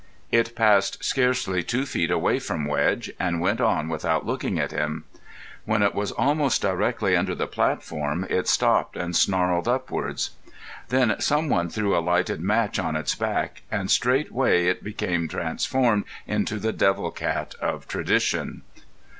It passed scarcely two feet away from Wedge, and went on without looking at him. When it was almost directly under the platform it stopped and snarled upwards. Then someone threw a lighted match on its back, and straightway it became transformed into the devil cat of tradition.